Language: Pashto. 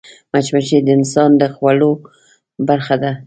مچمچۍ د انسان د خوړو برخه ده